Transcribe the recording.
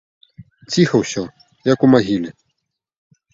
Ціха ўсё, як у магіле.